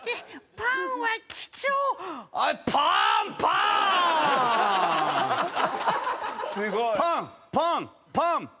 パンパンパンパン。